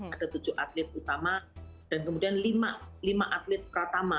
ada tujuh atlet utama dan kemudian lima atlet pratama